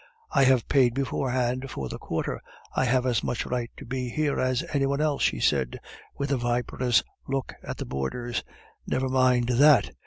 "I have paid beforehand for the quarter; I have as much right to be here as any one else," she said, with a viperous look at the boarders. "Never mind that!